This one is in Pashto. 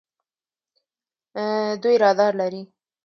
دوی رادار لري.